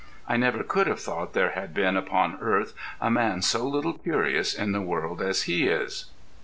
I never could have thought there had been upon earth a man so little curious in the world as he is.